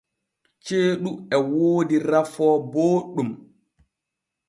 Ceeɗu e woodi rafoo booɗɗum.